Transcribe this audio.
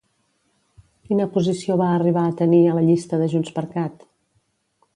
Quina posició va arribar a tenir a la llista de JxCat?